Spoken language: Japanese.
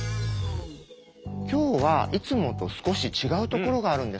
今日はいつもと少し違うところがあるんですね。